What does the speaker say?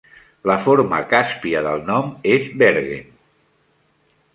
La forma càspia del nom és "Wergen".